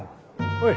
おい。